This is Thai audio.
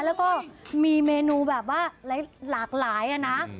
แล้วก็มีเมนูแบบว่าหลากหลายนะ